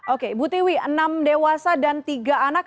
oke ibu tiwi enam dewasa dan tiga anak